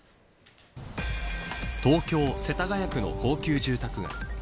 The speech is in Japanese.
東京、世田谷区の高級住宅街。